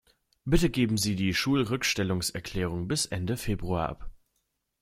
Bitte geben Sie die Schulrückstellungserklärung bis Ende Februar ab.